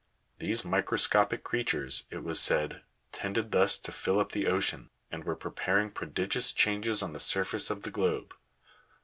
These microscopic creatures, it was said, tended thus to fill up the ocean, and were preparing prodigious changes on the surface of the globe.